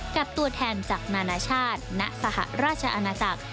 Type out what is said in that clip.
กับตัวแทนจากนานาชาติณสหราชอาณาจักร